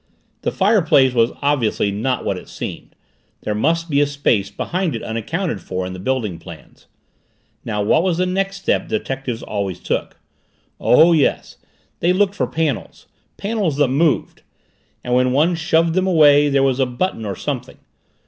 The fireplace was obviously not what it seemed, there must be a space behind it unaccounted for in the building plans. Now what was the next step detectives always took? Oh, yes they looked for panels; panels that moved. And when one shoved them away there was a button or something.